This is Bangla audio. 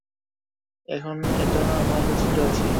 এখন এটা আমার কাছে রয়েছে।